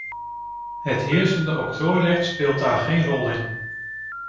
Het heersende octrooirecht speelt daar geen rol in.